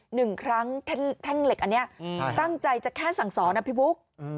หนึ่งครั้งแท่งเหล็กอันนี้ตั้งใจจะแค่สั่งสอนนะพี่บุ๊ก